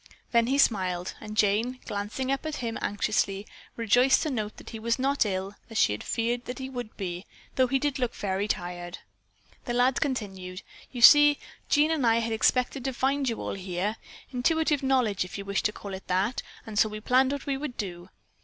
Then he smiled, and Jane, glancing at him anxiously, rejoiced to note he was not ill as she had feared he would be, though he did look very tired. The lad continued: "You see, Jean and I expected to find you all here. Intuitive knowledge, if you wish to call it that, and so we planned what we would do.